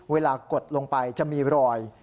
กดลงไปจะมีรอย